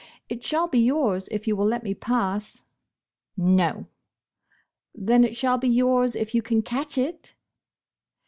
It shall be yours, if you will let me pass." "No." "Then it shall be yours if you can catch it."